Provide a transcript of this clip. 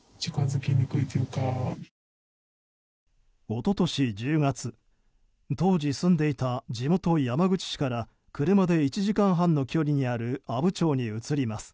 一昨年１０月、当時住んでいた地元・山口市から車で１時間半の距離にある阿武町に移ります。